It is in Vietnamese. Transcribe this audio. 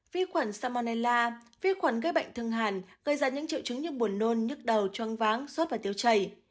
viết khoản salmonella viết khoản gây bệnh thương hàn gây ra những triệu chứng như buồn nôn nhức đầu choang váng sốt và tiêu chảy